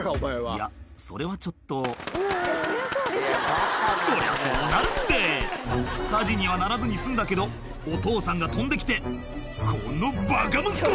いやそれはちょっとそりゃそうなるって火事にはならずに済んだけどお父さんが飛んで来て「このバカ息子！」